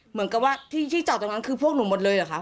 เหมือนกับว่าที่จอดตรงนั้นคือพวกหนูหมดเลยเหรอคะ